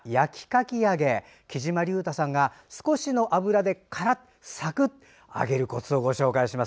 きじまりゅうたさんが少しの油でカラッとサクッと揚げるコツをご紹介します。